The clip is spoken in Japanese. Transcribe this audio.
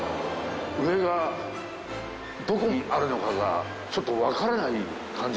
上がどこにあるのかがちょっとわからない感じになってますね。